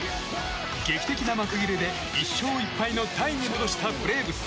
劇的な幕切れで１勝１敗のタイに戻したブレーブス。